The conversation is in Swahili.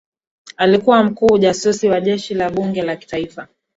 alikuwa mkuu ujasusi wa jeshi la bunge la kitaifa